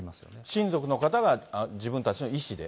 親族の方が、自分たちの意思で？